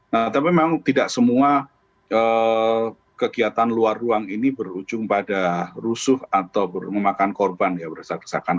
nah tapi memang tidak semua kegiatan luar ruang ini berujung pada rusuh atau memakan korban ya berdesak desakan